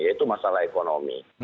yaitu masalah ekonomi